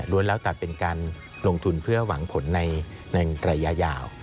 แล้วแต่เป็นการลงทุนเพื่อหวังผลในระยะยาว